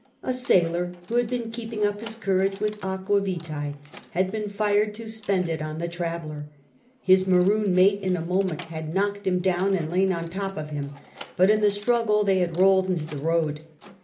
A sailor who had been keeping up his courage with aqua mice, had been fired to spend it on the traveller. His Maroon mate in a moment had knocked him down and lain on the top of him, but in the struggle they had rolled into the road.